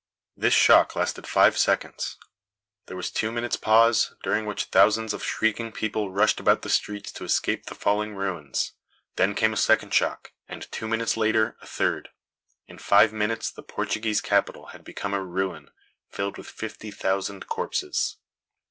This shock lasted five seconds. There was two minutes pause, during which thousands of shrieking people rushed about the streets to escape the falling ruins. Then came a second shock, and two minutes later a third. In five minutes the Portuguese capital had become a ruin, filled with fifty thousand corpses.